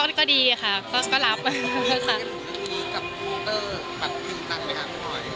มีเรื่องค่าใช้จ่ายกับพี่พลอย